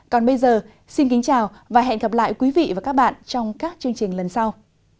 còn bây giờ xin kính chào và hẹn gặp lại quý vị và các bạn trong các chương trình lần sau